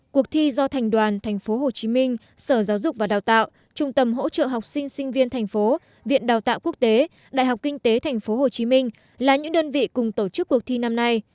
cuộc thi do thành đoàn tp hcm sở giáo dục và đào tạo trung tâm hỗ trợ học sinh sinh viên thành phố viện đào tạo quốc tế đại học kinh tế tp hcm là những đơn vị cùng tổ chức cuộc thi năm nay